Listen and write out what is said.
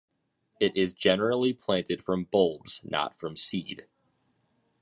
It is generally planted from bulbs, not from seed.